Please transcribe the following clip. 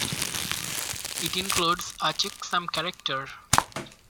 It includes a checksum character.